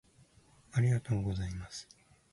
ありがとうございます。